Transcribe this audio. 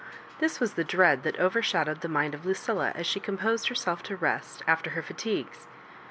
This was the dread that overshadowed the mind of Lucilla as she composed herself to rest after her fatigues.